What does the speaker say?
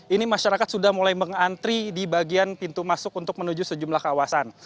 ini masyarakat sudah mulai mengantri di bagian pintu masuk untuk menuju sejumlah kawasan